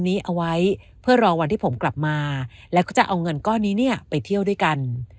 นี้เอาไว้เพื่อรอวันที่ผมกลับมาแล้วก็จะเอาเงินก้อนนี้เนี่ยไปเที่ยวด้วยกัน